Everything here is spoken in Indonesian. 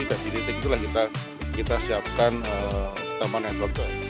dan di titik itulah kita siapkan taman yang berguna